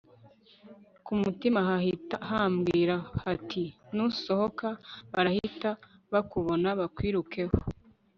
kumutima hahita hambwira hati nusohoka barahita bakubona bakwirukeho